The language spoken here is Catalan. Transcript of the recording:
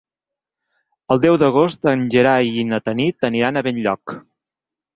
El deu d'agost en Gerai i na Tanit aniran a Benlloc.